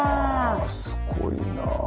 うわすごいな。